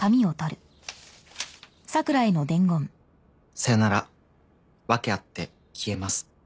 さようなら訳あって消えます。